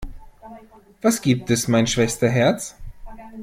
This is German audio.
Was gibt es, mein Schwesterherz?